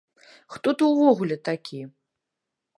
Хто ты ўвогуле такі?!